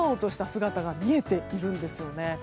姿が見えているんですよね。